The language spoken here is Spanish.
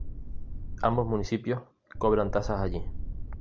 Ambos municipios cobran tasas allí.